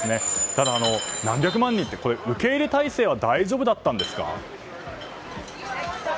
ただ、何百人って受け入れ態勢は大丈夫だったんですか。